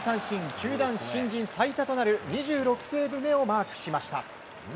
球団新人最多となる２６セーブ目をマークしました。